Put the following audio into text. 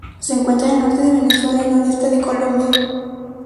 Se encuentra en el norte de Venezuela y noreste de Colombia.